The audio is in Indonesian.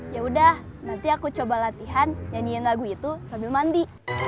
ya udah nanti aku coba latihan nyanyiin lagu itu sambil mandi